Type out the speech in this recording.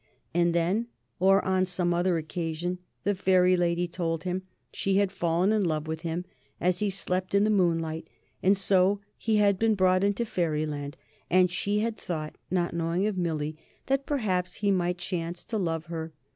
And then, or on some such occasion, the Fairy Lady told him she had fallen in love with him as he slept in the moonlight, and so he had been brought into Fairyland, and she had thought, not knowing of Millie, that perhaps he might chance to love her.